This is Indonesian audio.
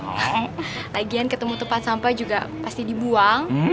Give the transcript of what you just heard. lagian ketemu tempat sampah juga pasti dibuang